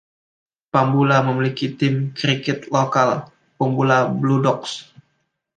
Pambula memiliki tim kriket lokal, Pambula Bluedogs.